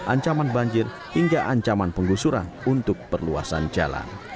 ancaman banjir hingga ancaman penggusuran untuk perluasan jalan